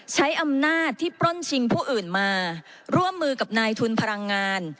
ใช้อำนาจที่ปล้นชิงผู้อื่นมาร่วมมือกับนายทุนพลังงาน